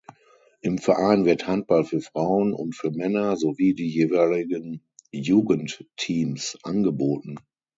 Im Verein wird Handball für Frauen und für Männer sowie die jeweiligen Jugendteams angeboten.